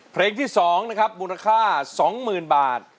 เพลงที่สองนะครับมูลค่าสองหมื่นบาท